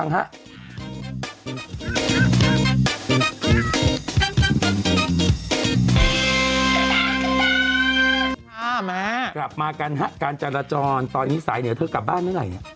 กลับมากันฮะการจราจรตอนนี้สายเหนือเธอกลับบ้านเมื่อไหร่เนี่ย